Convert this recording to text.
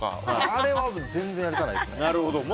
あれは全然やりたくないですね。